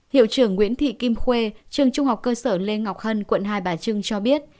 hiệu trưởng nguyễn thị kim khuê trường trung học cơ sở lê ngọc hân quận hai bà trưng cho biết